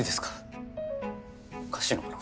おかしいのかな？